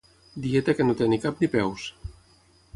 Dieta que no té ni cap ni peus.